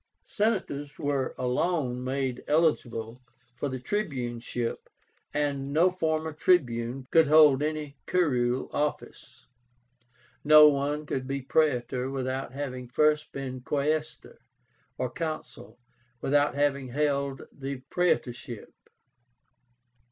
Senators were alone made eligible for the tribuneship, and no former Tribune could hold any curule office. No one could be Praetor without having first been Quaestor, or Consul without having held the praetorship.